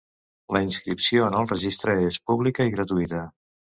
La inscripció en el Registre és pública i gratuïta.